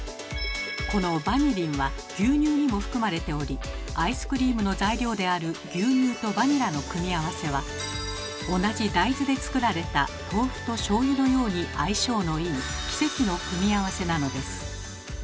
このバニリンは牛乳にも含まれておりアイスクリームの材料である牛乳とバニラの組み合わせは同じ大豆で作られた豆腐としょうゆのように相性のいい奇跡の組み合わせなのです。